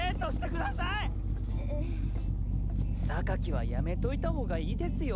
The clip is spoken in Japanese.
はやめといたほうがいいですよ。